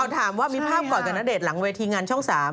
ถามว่ามีภาพกอดกับณเดชน์หลังเวทีงานช่อง๓